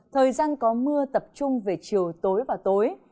thời gian có mưa tập trung về chiều tối và tối